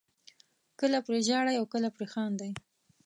کله پرې ژاړئ او کله پرې خاندئ.